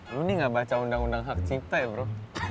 lu nih gak baca undang undang hak cipta ya bro